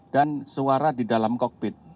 dan suara di dalam kokpit